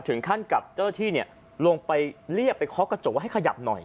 ถึงขั้นกับเจ้าหน้าที่ลงไปเรียกไปเคาะกระจกว่าให้ขยับหน่อย